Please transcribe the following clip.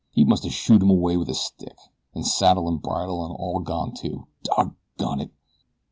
He must a shooed him away with a stick. An' saddle an' bridle an' all gone too. Doggone it!"